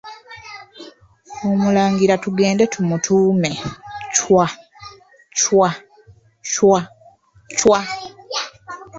Omulangira tugende tumutuume Chwa, Chwa, Chwa, Chwa!